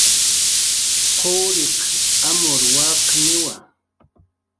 quriq amur waqniwa